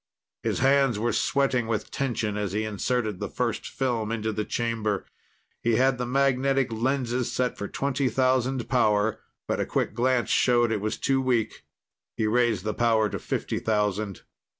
His hands were sweating with tension as he inserted the first film into the chamber. He had the magnetic "lenses" set for twenty thousand power, but a quick glance showed it was too weak. He raised the power to fifty thousand.